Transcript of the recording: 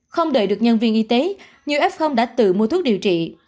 không đợi được nhân viên y tế nhiều f đã tự mua thuốc điều trị